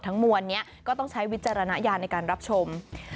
ทั้งมวลเนี้ยก็ต้องใช้วิจารณยาในการรับชม